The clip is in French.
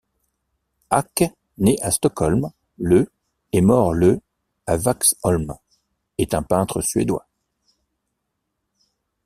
Acke, né à Stockholm le et mort le à Vaxholm, est un peintre suédois.